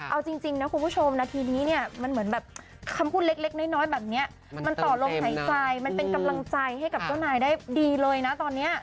เอาจริงนะคุณผู้ชมนาทีนี้เนี่ยมันเหมือนแบบคำพูดเล็กน้อยแบบนี้มันต่อลมหายใจมันเป็นกำลังใจให้กับเจ้านายได้ดีเลยนะตอนนี้